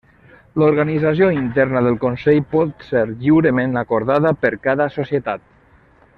L'organització interna del consell pot ser lliurement acordada per cada societat.